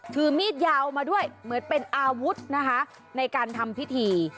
ถือมีดยาวมาด้วยเหมือนเป็นอาวุธนะคะในการทำพิธี